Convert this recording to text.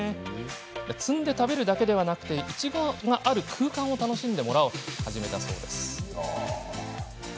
摘んで食べるだけではなくいちごがある空間を楽しんでもらおうと始めたそうです。